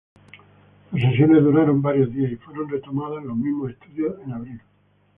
Las sesiones duraron varios días y fueron retomadas en los mismos estudios en abril.